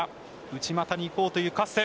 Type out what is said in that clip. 内股にいこうというカッセ。